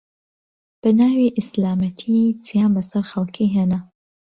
بەناوی ئیسلامەتی چیان بەسەر خەڵکی هێنا